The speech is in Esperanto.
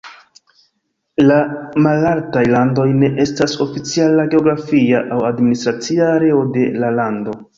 La Malaltaj Landoj ne estas oficiala geografia aŭ administracia areo de la lando.